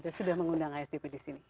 terima kasih bang asdp di sini